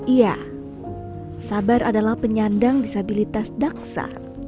iya sabar adalah penyandang disabilitas daksa